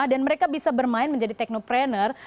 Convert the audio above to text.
dan mereka bisa bermain menjadi teknoprener